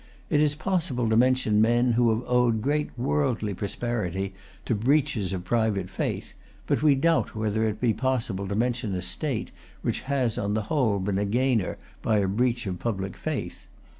It is possible to mention men who have owed great worldly prosperity to breaches of private faith; but we doubt whether it be possible to mention a state which has on the whole been a gainer by a breach of public faith.